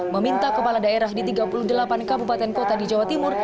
meminta kepala daerah di tiga puluh delapan kabupaten kota di jawa timur